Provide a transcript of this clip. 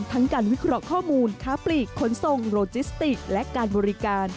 การวิเคราะห์ข้อมูลค้าปลีกขนส่งโรจิสติกและการบริการ